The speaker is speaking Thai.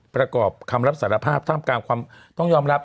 ประกอบคำรับสารภาพท่ามกลางความต้องยอมรับ